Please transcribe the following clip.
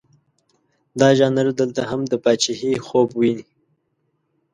دا ژانر دلته هم د پاچهي خوب ویني.